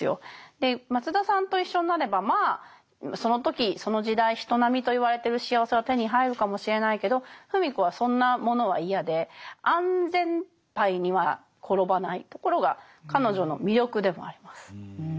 で松田さんと一緒になればまあその時その時代人並みといわれてる幸せは手に入るかもしれないけど芙美子はそんなものは嫌で安全パイには転ばないところが彼女の魅力でもあります。